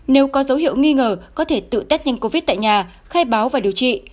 nếu có dấu hiệu nghi ngờ có thể tự test nhanh covid tại nhà khai báo và điều trị